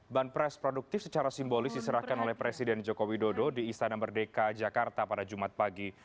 banpres produktif secara simbolis diserahkan oleh presiden joko widodo di istana merdeka jakarta pada jumat pagi